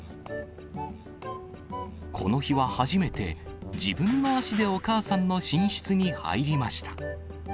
この日は初めて、自分の足でお母さんの寝室に入りました。